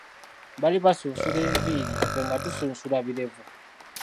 Baali basunsula enviiri, Ffe nga tusunsula birevu.